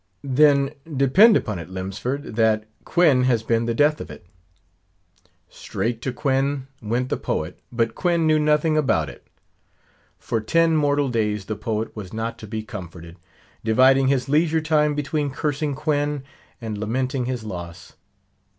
"Then depend upon it, Lemsford, that Quoin has been the death of it." Straight to Quoin went the poet. But Quoin knew nothing about it. For ten mortal days the poet was not to be comforted; dividing his leisure time between cursing Quoin and lamenting his loss.